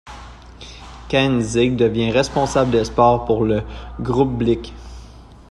Kaenzig devient responsable des sports pour le groupe Blick.